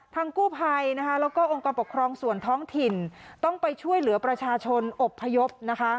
ทางกู้ภัยและโรงกำปักครองส่วนท้องถิ่นต้องไปช่วยเหลือประชาชนอบพยพ